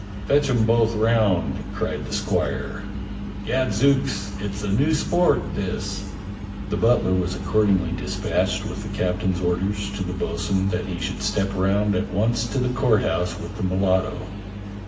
"Fetch 'em both round," cried the squire. "Gad zooks! it's a new sport this." The butler was accordingly dispatched with the captain's orders to the bo'sun that he should step round at once to the Court House with the mulatto.